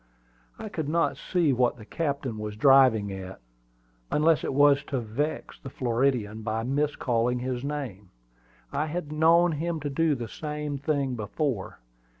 I could not see what the captain was driving at, unless it was to vex the Floridian by miscalling his name. I had known him to do the same thing before.